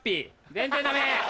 全然ダメ！